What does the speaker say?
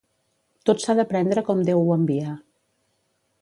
Tot s'ha de prendre com Déu ho envia.